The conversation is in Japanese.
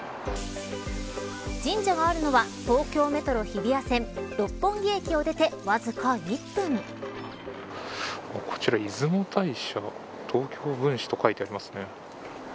神社があるのは東京メトロ日比谷線こちら出雲大社東京分祠と書いてありますね。